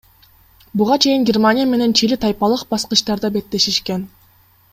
Буга чейин Германия менен Чили тайпалык баскычтарда беттешишкен.